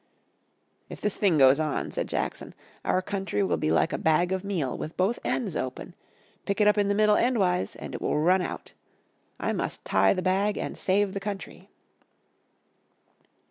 "If this thing goes on," said Jackson, "our country will be like a bag of meal with both ends open. Pick it up in the middle endwise and it will run out. I must tie the bag and save the country."